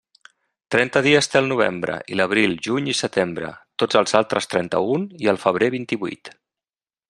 Trenta dies té el novembre, i l'abril, juny i setembre; tots els altres trenta-un i el febrer vint-i-vuit.